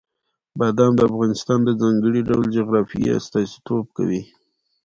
بادام د افغانستان د ځانګړي ډول جغرافیې استازیتوب کوي.